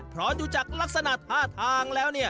พร้อมดูจากลักษณะท่าทางแล้ว